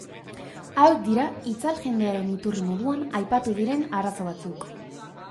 Hauek dira itzal jendearen iturri moduan aipatu diren arazo batzuk.